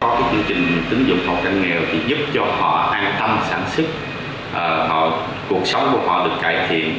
có chương trình tín dụng hộ cận nghèo giúp cho họ an tâm sản xuất cuộc sống của họ được cải thiện